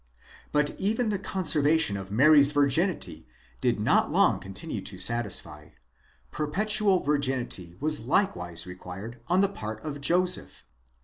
8 But even the conservation of Mary's virginity did not long continue to satisfy: perpetual virginity was likewise required on the part of Joseph.